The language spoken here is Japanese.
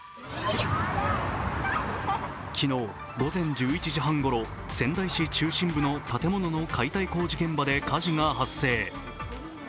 昨日午前１１時半ごろ、仙台市中心部の建物の解体工事現場で火事が発生。